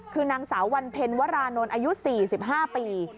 คือนางสาววันเพ็ญวรานนท์อายุ๔๕ปี